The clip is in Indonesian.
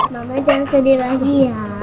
mama jangan sedih lagi ya